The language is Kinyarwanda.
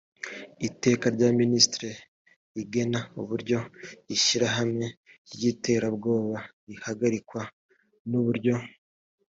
iteka rya minisitiri rigena uburyo ishyirahamwe ry iterabwoba rihagarikwa n uburyo